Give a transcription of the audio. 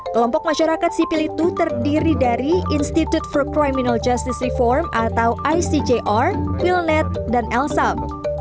kelompok masyarakat sipil itu terdiri dari institute for criminal justice reform atau icgr wilnet dan elsam